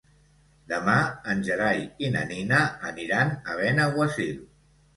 Demà en Gerai i na Nina aniran a Benaguasil.